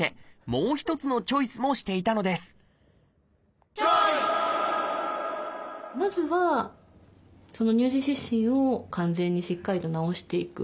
もう一つのチョイスもしていたのですまずは乳児湿疹を完全にしっかりと治していく。